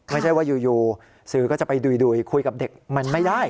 ไม่ใช่ว่าอยู่สื่อก็จะไปดุยคุยกับเด็กมันไม่ได้